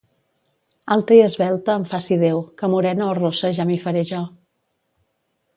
Alta i esvelta em faci Déu, que morena o rossa ja m'hi faré jo.